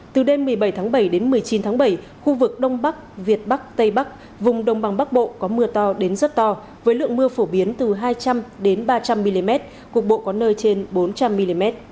từ đêm một mươi bảy tháng bảy đến một mươi chín tháng bảy khu vực đông bắc việt bắc tây bắc vùng đông bằng bắc bộ có mưa to đến rất to với lượng mưa phổ biến từ hai trăm linh ba trăm linh mm cục bộ có nơi trên bốn trăm linh mm